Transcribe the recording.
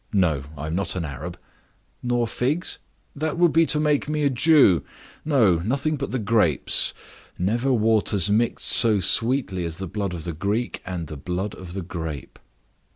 "No, I am not an Arab." "Nor figs?" "That would be to make me a Jew. No, nothing but the grapes. Never waters mixed so sweetly as the blood of the Greek and the blood of the grape."